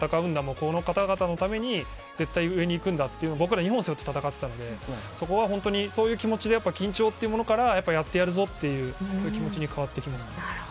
この方々のために絶対に上に行くんだと僕ら、日本を背負って戦っていたんでそこは本当にそういう気持ちで緊張から、やってやるぞという気持ちに変わっていきますね。